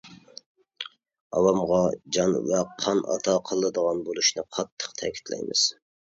ئاۋامغا جان ۋە قان ئاتا قىلىدىغان بولۇشنى قاتتىق تەكىتلەيمىز.